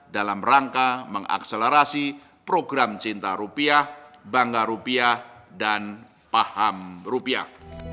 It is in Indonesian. dalam rangka mengakselerasi program cinta rupiah bangga rupiah dan paham rupiah